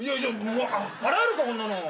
払えるかこんなの。